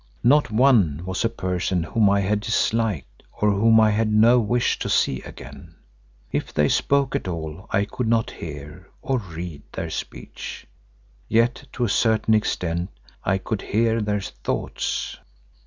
Not one was a person whom I had disliked or whom I had no wish to see again. If they spoke at all I could not hear—or read—their speech, yet to a certain extent I could hear their thoughts.